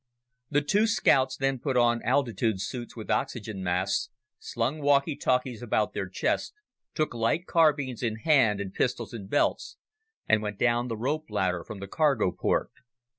The two scouts then put on altitude suits with oxygen masks, slung walkie talkies about their chests, took light carbines in hand and pistols in belts and went down the rope ladder from the cargo port.